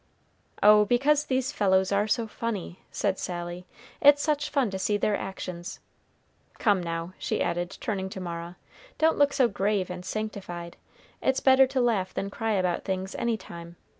"Oh, because these fellows are so funny," said Sally; "it's such fun to see their actions. Come now," she added, turning to Mara, "don't look so grave and sanctified. It's better to laugh than cry about things, any time.